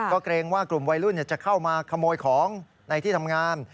ก็เกรงว่ากลุ่มวัยรุ่นจะเข้ามาขโมยของในที่ทำงาน